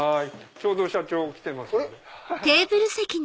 ちょうど社長来てますので。